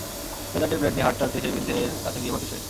ডেজার্টের plate নিয়ে হাঁটতে হাঁটতে সেই বৃদ্ধের কাছে গিয়ে বসে সে।